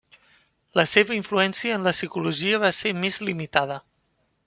La seva influència en la psicologia va ser més limitada.